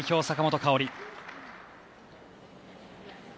坂本花織。